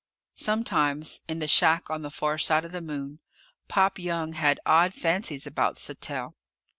Sometimes, in the shack on the far side of the Moon, Pop Young had odd fancies about Sattell.